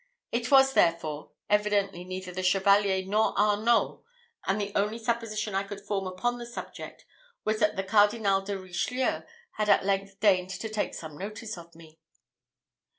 It was, therefore, evidently neither the Chevalier nor Arnault, and the only supposition I could form upon the subject was that the Cardinal de Richelieu had at length deigned to take some notice of me.